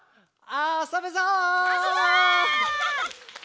あそぶぞ！